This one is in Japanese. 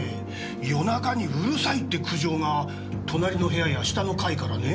夜中にうるさいって苦情が隣の部屋や下の階からねええ。